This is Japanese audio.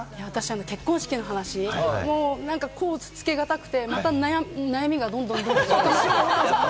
結婚式の話、甲乙つけがたくてまた悩みがどんどんどんどん。